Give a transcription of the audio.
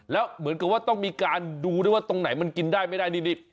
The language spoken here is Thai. แล้วเหมือนกับว่าต้องมีการดูด้วยว่าตรงไหนมันกินได้ไม่ได้นี่